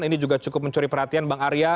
ini juga cukup mencuri perhatian bang arya